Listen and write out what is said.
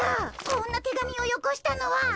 こんな手紙をよこしたのは！